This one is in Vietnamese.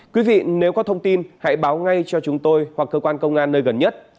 quý vị nếu có thông tin hãy báo ngay cho chúng tôi hoặc cơ quan công an nơi gần nhất